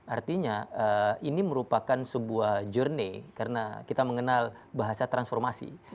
artinya ini merupakan sebuah journey karena kita mengenal bahasa transformasi